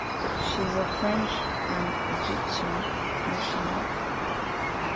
She is a French and Egyptian national.